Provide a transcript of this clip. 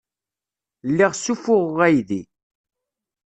Lliɣ ssuffuɣeɣ aydi.